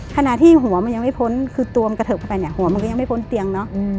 ขณะที่หัวมันยังไม่พ้นคือตัวมันกระเทิบเข้าไปเนี่ยหัวมันก็ยังไม่พ้นเตียงเนอะ